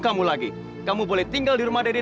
kamu lagi kamu boleh tinggal di rumah dede